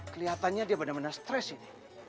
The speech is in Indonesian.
kelihatannya dia benar benar stres ini